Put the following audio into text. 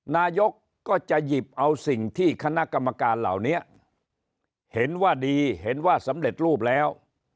นายกก็จะหยิบเอาสิ่งที่คณะกรรมการเหล่านี้เห็นว่าดีเห็นว่าสำเร็จรูปแล้ว